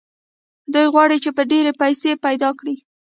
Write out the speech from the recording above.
دوی غواړي چې ډېرې پيسې پيدا کړي.